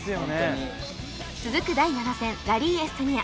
続く第７戦ラリー・エストニア